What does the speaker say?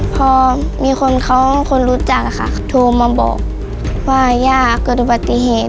พอมีคนเขาคนรู้จักค่ะโทรมาบอกว่าย่าเกิดอุบัติเหตุ